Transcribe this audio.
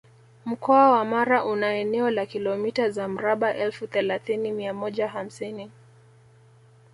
Mkoa wa Mara una eneo la Kilomita za mraba elfu thelathini mia moja hamsini